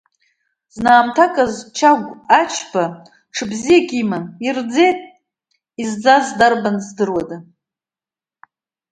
Зны, аамҭак азы, Чагә Ачба ҽыбзиак иман, ирӡеит, изӡаз дарбану здырхуада.